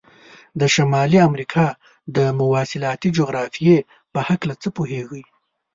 د شمالي امریکا د مواصلاتي جغرافیې په هلکه څه پوهیږئ؟